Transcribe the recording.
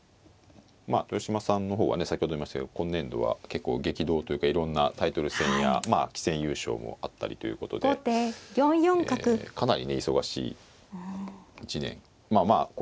まあ豊島さんの方はね先ほど言いましたけど今年度は結構激動というかいろんなタイトル戦やまあ棋戦優勝もあったりということでかなりね忙しい一年まあ